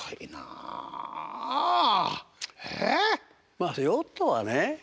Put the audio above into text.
まあヨットはね